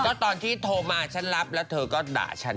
ก็ตอนที่โทรมาฉันรับแล้วเธอก็ด่าฉัน